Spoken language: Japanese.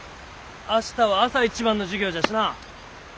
明日は朝一番の授業じゃしな。